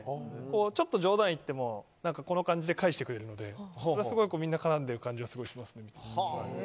ちょっと冗談を言ってもこの感じで返してくれるのでみんな絡んでる感じがしますね。